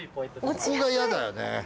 ここが嫌だよね。